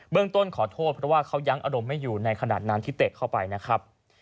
ต้นขอโทษเพราะว่าเขายังอารมณ์ไม่อยู่ในขณะนั้นที่เตะเข้าไปนะครับ